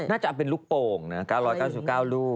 น่าจะเป็นลูกโป่งนะ๙๙๙ลูก